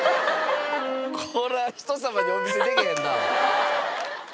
「これは人様にお見せできへんな」